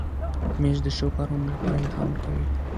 مېز د ښو کارونو لپاره الهام ورکوي.